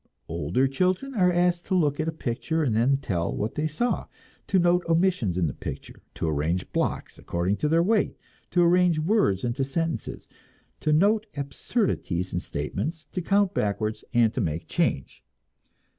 Older children are asked to look at a picture and then tell what they saw; to note omissions in a picture, to arrange blocks according to their weight, to arrange words into sentences, to note absurdities in statements, to count backwards, and to make change.